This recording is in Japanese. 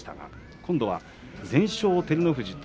今度は全勝の照ノ富士と